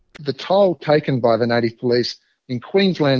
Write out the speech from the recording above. keturunan yang diambil oleh polisi asal di queensland